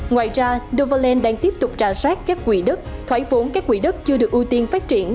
ngoài ra doverland đang tiếp tục trả sát các quỹ đất thoái vốn các quỹ đất chưa được ưu tiên phát triển